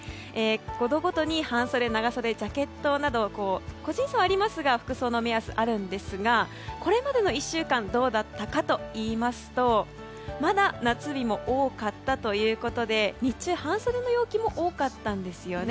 ５度ごとに半袖、長袖ジャケットなど個人差はありますが服装の目安があるんですがこれまでの１週間どうだったかといいますとまだ夏日も多かったということで日中、半袖の陽気も多かったんですね。